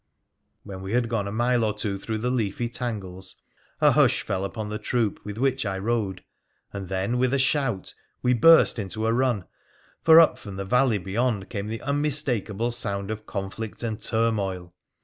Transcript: When we had gone a mile or two through the leafy tangles, a hush fell upon the troop with which I rode, and then with a shout we burst into a run, for up from the valley beyond came the unmistakable sound of conflict and turmoil.